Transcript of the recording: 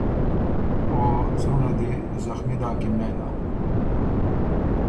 او څُونه دی زخمی داکِن نېله